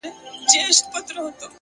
هر منزل د نویو مسئولیتونو پیل دی